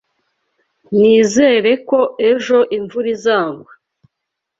Nizere ko ejo imvura izagwa.